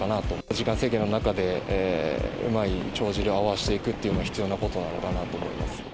時間制限の中で、うまい帳尻を合わせていくというのは必要なことなのかなと思います。